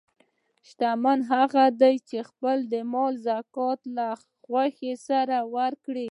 شتمن هغه دی چې د خپل مال زکات له خوښۍ سره ورکوي.